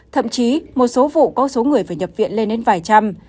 thậm chí một số vụ có số người phải nhập viện lên đến vài trăm